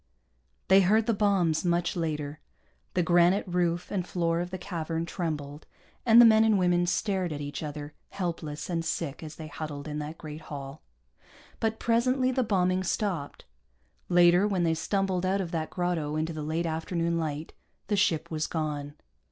They heard the bombs, much later. The granite roof and floor of the cavern trembled, and the men and women stared at each other, helpless and sick as they huddled in that great hall. But presently the bombing stopped. Later, when they stumbled out of that grotto into the late afternoon light, the ship was gone.